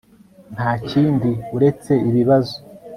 Nta kindi uretse ibibazo